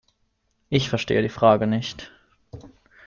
Ich verstehe die Frage nicht.